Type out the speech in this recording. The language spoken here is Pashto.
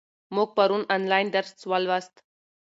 موږ پرون آنلاین درس ولوست.